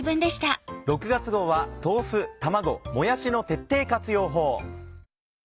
６月号は豆腐卵もやしの徹底活用法。